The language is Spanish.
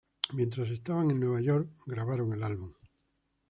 Mientras estaban en Nueva York, grabaron el álbum.